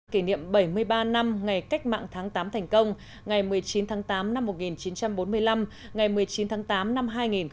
kỷ niệm bảy mươi ba năm ngày cách mạng tháng tám thành công ngày một mươi chín tháng tám năm một nghìn chín trăm bốn mươi năm ngày một mươi chín tháng tám năm hai nghìn một mươi chín